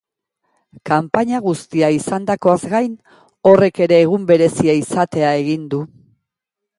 Kanpaina guztia izandakoaz gain, horrek ere egun berezia izatea egin du.